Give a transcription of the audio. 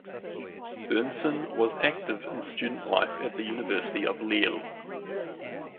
Bernson was active in student life at the University of Lille.